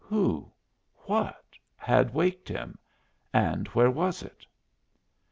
Who what had waked him, and where was it?